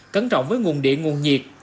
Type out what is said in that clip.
cấn trọng với nguồn điện nguồn nhiệt